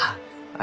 あ